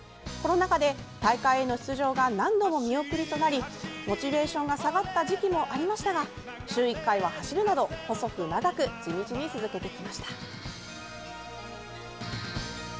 コロナ禍で大会への出場が何度も見送りとなりモチベーションが下がった時期もありましたが週１回は走るなど細く長く地道に続けてきました。